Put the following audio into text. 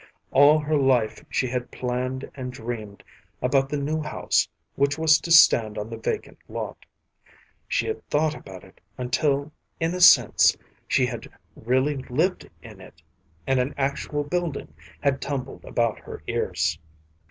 All her life she had planned and dreamed about the new house which was to stand on the vacant lot. She had thought about it until in a sense she had really lived in it, and an actual building had tumbled about her ears.